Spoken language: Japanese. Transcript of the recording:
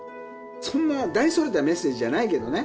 そんな大それたメッセージじゃないけどね。